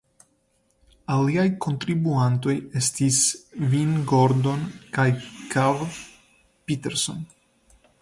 Aliaj kontribuantoj estis Vin Gordon kaj Karl Pitterson.